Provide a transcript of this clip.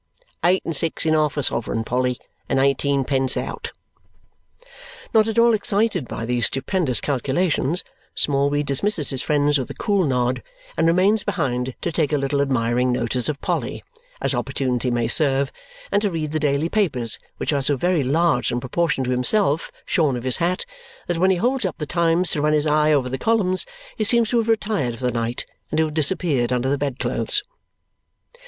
Eight and six in half a sovereign, Polly, and eighteenpence out!" Not at all excited by these stupendous calculations, Smallweed dismisses his friends with a cool nod and remains behind to take a little admiring notice of Polly, as opportunity may serve, and to read the daily papers, which are so very large in proportion to himself, shorn of his hat, that when he holds up the Times to run his eye over the columns, he seems to have retired for the night and to have disappeared under the bedclothes.